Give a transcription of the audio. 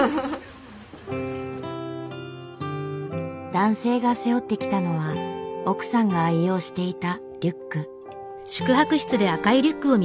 男性が背負ってきたのは奥さんが愛用していたリュック。